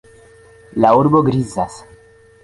La urbo grizas.